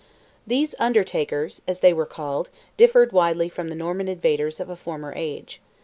These "Undertakers," as they were called, differed widely from the Norman invaders of a former age.